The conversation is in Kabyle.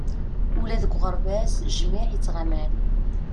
Ula deg uɣerbaz jmiɛ i ttɣaman.